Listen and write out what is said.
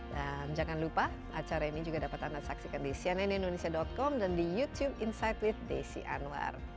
dan jangan lupa acara ini juga dapat anda saksikan di cnnindonesia com dan di youtube insight with desi angwar